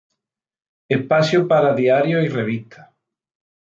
Espacio para diarios y revistas.